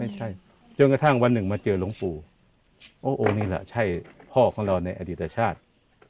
จนกระทั่งวันหนึ่งมาเจอหลวงปู่โอ้นี่แหละใช่พ่อของเราในอดีตชาติ